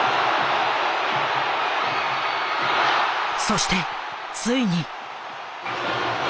そしてついに。